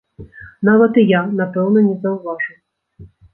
Нават і я, напэўна, не заўважу.